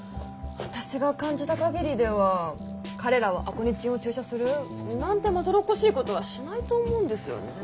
私が感じたかぎりでは彼らはアコニチンを注射するなんてまどろっこしいことはしないと思うんですよね。